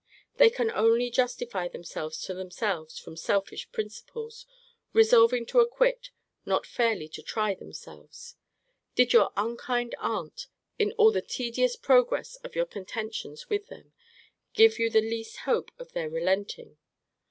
They can only justify themselves to themselves from selfish principles, resolving to acquit, not fairly to try themselves. Did your unkind aunt, in all the tedious progress of your contentions with them, give you the least hope of their relenting?